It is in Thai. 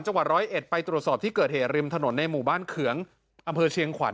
จังหวัดร้อยเอ็ดไปตรวจสอบที่เกิดเหตุริมถนนในหมู่บ้านเขืองอำเภอเชียงขวัญ